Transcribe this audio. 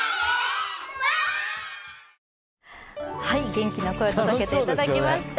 元気な声を届けていただきました。